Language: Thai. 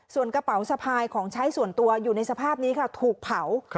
ส่วนกระเป๋าสะพายของใช้ส่วนตัวอยู่ในสภาพนี้ค่ะถูกเผา